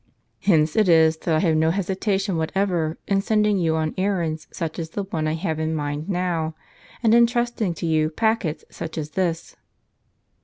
Hence it is that I have no hesitation whatever in sending you on errands such as the one I have in mind now and in entrusting to you packets such as this."